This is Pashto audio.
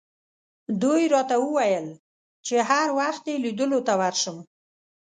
دوی راته وویل چې هر وخت یې لیدلو ته ورشم.